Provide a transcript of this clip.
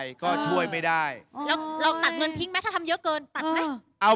พร้อมให้เรา